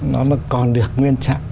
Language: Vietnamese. nó mà còn được nguyên trạng